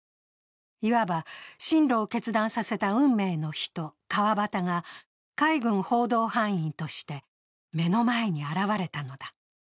いわば進路を決断させた運命の人、川端が海軍報道班員として目の前に現れたのだ。